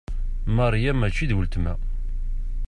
Maria mačči d wultma.